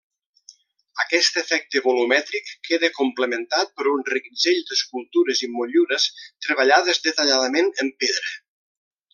Aquest efecte volumètric queda complementat per un reguitzell d'escultures i motllures treballades detalladament en pedra.